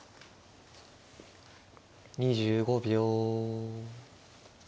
２５秒。